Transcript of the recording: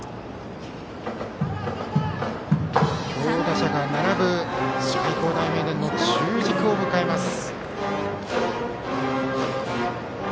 強打者が並ぶ愛工大名電の中軸を迎えます。